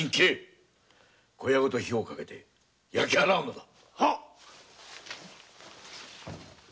小屋ごと火をかけて焼き払うのだ。